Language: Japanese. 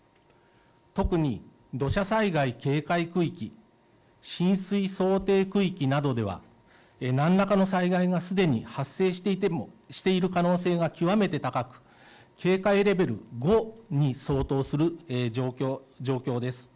特に土砂災害警戒区域、浸水想定区域などでは何らかの災害がすでに発生している可能性が極めて高く警戒レベル５に相当する状況です。